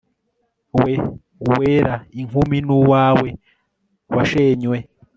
we, wera, inkumi; n'uwawe, washenywe